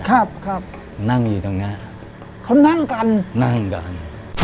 ครับครับนั่งอยู่ตรงเนี้ยเขานั่งกันนั่งกัน